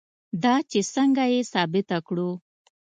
دا چې څنګه یې ثابته کړو.